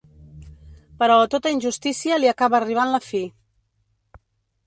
Però a tota injustícia li acaba arribant la fi.